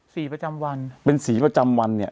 สีประจำวันนะฮะเป็นสีประจำวัน